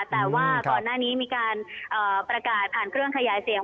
แต่ว่าก่อนหน้านี้มีการประกาศผ่านเครื่องขยายเสียง